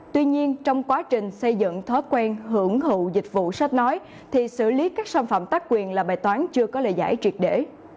tuy nhiên trong quá trình xây dựng thói quen hưởng thụ dịch vụ sách nói thì xử lý các sản phẩm tác quyền là bài toán chưa có lời giải triệt để